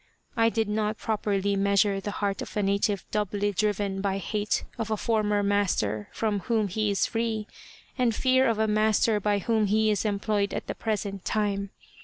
I did not properly measure the heart of a native doubly driven by hate of a former master from whom he is free, and fear of a master by whom he is employed at the present time.